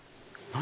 何？